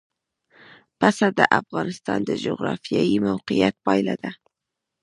پسه د افغانستان د جغرافیایي موقیعت پایله ده.